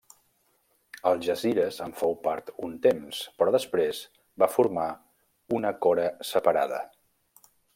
Algesires en fou part un temps però després va formar una cora separada.